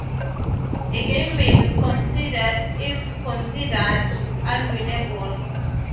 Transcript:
A game may be conceded if considered unwinnable.